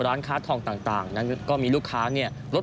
ร้านข้าทองต่างนั้นมีลูกค้าเนี่ยลดลงกว่าช่วงปกติ